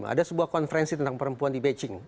ada sebuah konferensi tentang perempuan di beijing